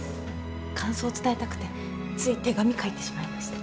感想伝えたくてつい手紙書いてしまいました。